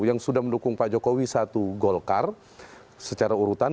yang sudah mendukung pak jokowi satu golkar secara urutan